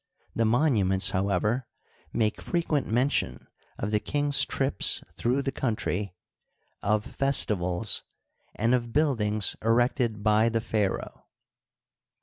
The monu ments, however, make frequent mention of the king's trips through the country, of festivals, and of buildings erected by the pharaoh.